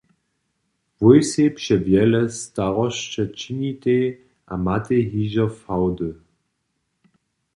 Wój sej přewjele starosće činitej a matej hižo fałdy.